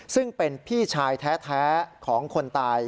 ซึ่งเป็นพี่ชายแท้ของคนตาย